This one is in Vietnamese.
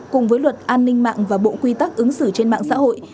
cùng với luật an ninh mạng và bộ quy tắc ứng xử trên mạng xã hội